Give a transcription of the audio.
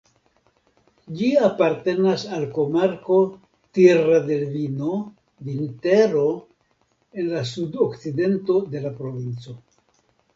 Ĝi apartenas al komarko "Tierra del Vino" (Vintero) en la sudokcidento de la provinco.